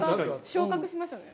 昇格しましたね。